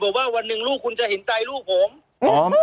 ว่าวันหนึ่งลูกคุณจะเห็นใจลูกผมอ๋อ